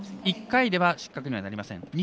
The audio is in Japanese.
１回では失格になりません。